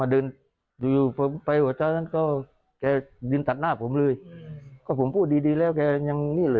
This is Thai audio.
แต่เอาจริงนะก็แปลกตั้งแต่ยืนบินทบาทแล้วนะ